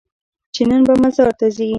چې نن به مزار ته ځې؟